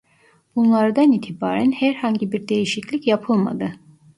Bunlardan itibaren herhangi bir değişiklik yapılmadı.